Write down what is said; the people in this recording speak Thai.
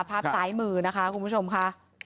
ภาพซ้ายมือนะคะคุณผู้ชมค่ะ